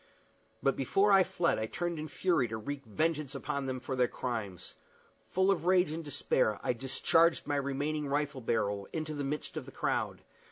But before I fled I turned in fury to wreak vengeance upon them for their crimes. Full of rage and despair, I discharged my remaining rifle barrel into the midst of the crowd.